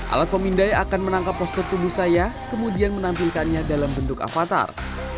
alat pemindai akan menangkap postur tubuh saya kemudian menampilkannya dalam bentuk avatar